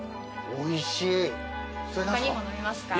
おいしい。